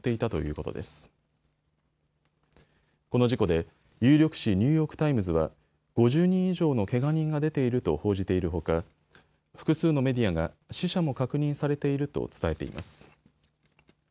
この事故で有力紙ニューヨーク・タイムズは５０人以上のけが人が出ていると報じているほか複数のメディアが死者も確認されていると伝えています。